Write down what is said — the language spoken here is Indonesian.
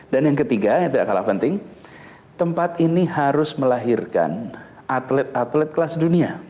dan yang ketiga yang tidak kalah penting tempat ini harus melahirkan atlet atlet kelas dunia